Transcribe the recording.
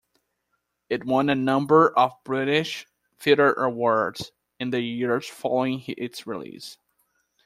It won a number of British theatre awards in the years following its release.